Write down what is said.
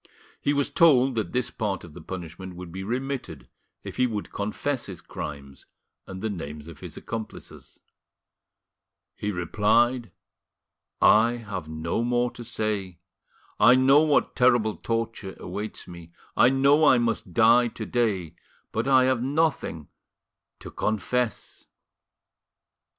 He was told that this part of his punishment would be remitted if he would confess his crimes and the names of his accomplices. He replied: "I have no more to say. I know what terrible torture awaits me, I know I must die to day, but I have nothing to confess."